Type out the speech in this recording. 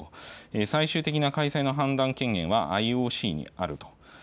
最終的な開催の判断権限はＩＯＣにあると。